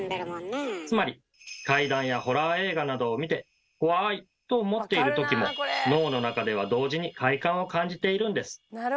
つまり怪談やホラー映画などを見て「怖い！」と思っているときも脳の中では同時に快感を感じているんです。